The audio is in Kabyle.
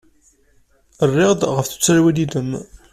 Rriɣ-d ɣef tuttriwin-nnem.